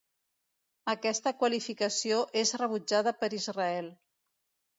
Aquesta qualificació és rebutjada per Israel.